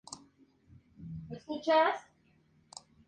Todo ello continuó teniendo lugar en su vida posterior.